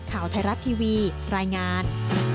ข่าวไทยรัฐทีวีรายงาน